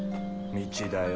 道だよ。